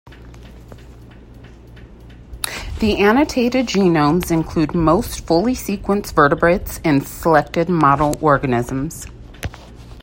The annotated genomes include most fully sequenced vertebrates and selected model organisms.